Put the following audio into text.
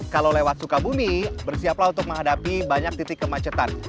kalau lewat sukabumi bersiaplah untuk menghadapi banyak titik kemacetan